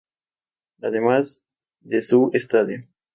Además de su Estadio.